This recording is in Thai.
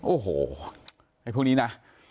โอ้โหไอ้พวกนี้นะ